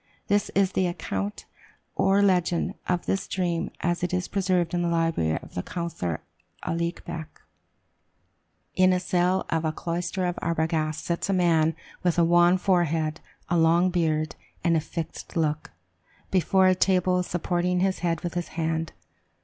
This is the account or legend of this dream as it is preserved in the library of the counsellor Aulique Beck: "In a cell of a cloister of Arbogast sits a man with a wan forehead, a long beard, and fixed look, before a table, supporting his head with his hand.